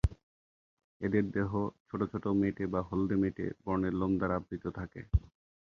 এদের দেহ ছোট ছোট মেটে বা হলদে মেটে বর্ণের লোম দ্বারা আবৃত থাকে।